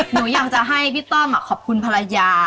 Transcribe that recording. หนูอยากจะให้พี่ต้อมขอบคุณภรรยา